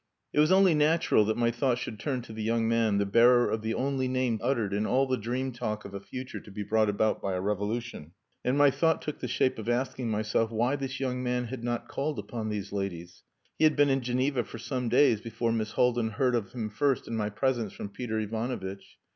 It was only natural that my thought should turn to the young man, the bearer of the only name uttered in all the dream talk of a future to be brought about by a revolution. And my thought took the shape of asking myself why this young man had not called upon these ladies. He had been in Geneva for some days before Miss Haldin heard of him first in my presence from Peter Ivanovitch.